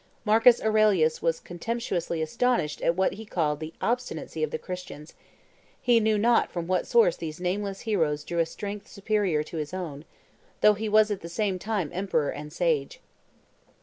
Marcus Aurelius was contemptuously astonished at what he called the obstinacy of the Christians; he knew not from what source these nameless heroes drew a strength superior to his own, though he was at the same time emperor and sage.